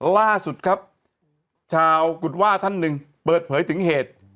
ล่าสุดครับชาวกุฎว่าท่านหนึ่งเปิดเผยถึงเหตุ